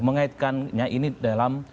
mengaitkannya ini dalam